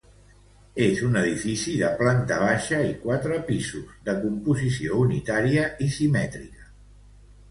És un edifici de planta baixa i quatre pisos, de composició unitària i simètrica.